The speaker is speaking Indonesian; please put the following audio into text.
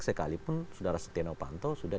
sekalipun saudara setia novanto sudah